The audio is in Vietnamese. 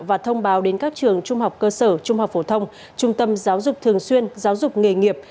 và thông báo đến các trường trung học cơ sở trung học phổ thông trung tâm giáo dục thường xuyên giáo dục nghề nghiệp